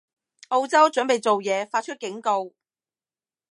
澳洲準備做嘢，發出警告